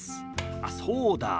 あっそうだ。